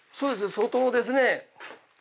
相当ですね。